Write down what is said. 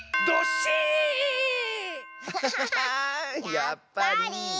やっぱり。